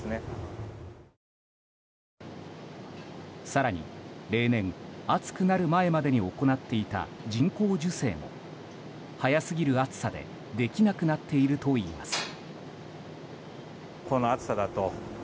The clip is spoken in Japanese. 更に例年、暑くなる前までに行っていた人工授精も早すぎる暑さでできなくなっているといいます。